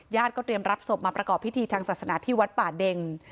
เตรียมรับศพมาประกอบพิธีทางศาสนาที่วัดป่าเด็ง